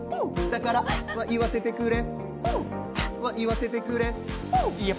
だからアッは言わせてくれポーは言わせてくれえ。